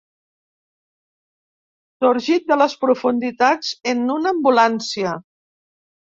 Sorgit de les profunditats en una ambulància.